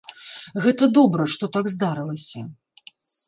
Гэта добра, што так здарылася.